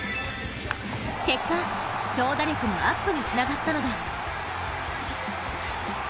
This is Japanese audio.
結果、長打力のアップにつながったのだ。